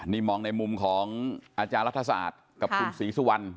นี่มองในมุมของอาจารย์รัฐศาสตร์กับคุณศรีสุวรรณ